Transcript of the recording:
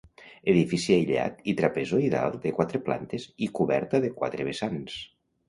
Edifici aïllat i trapezoidal de quatre plantes i coberta de quatre vessants.